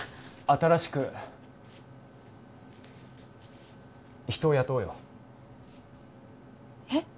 新しく人を雇おうよえっ？